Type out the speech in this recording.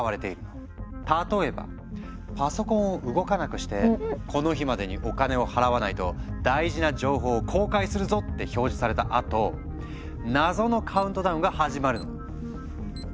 例えばパソコンを動かなくして「この日までにお金を払わないと大事な情報を公開するぞ！」って表示されたあと謎のカウントダウンが始まるの。